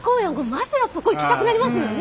まずはそこ行きたくなりますよね。